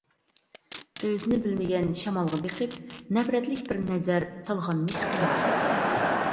ئۆزىنى بىلمىگەن شامالغا بېقىپ، نەپرەتلىك بىر نەزەر سالغانمىش قىيا.